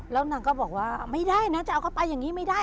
แล้วนางก็บอกว่าไม่ได้นะจะเอาเข้าไปอย่างนี้ไม่ได้